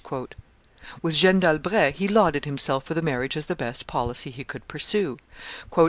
With Jeanne d'Albret, he lauded himself for the marriage as the best policy he could pursue.